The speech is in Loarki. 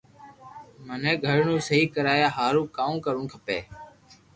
مني گھر نو سھي ڪرايا ھارون ڪاو ڪروُ کپي